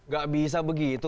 gak bisa begitu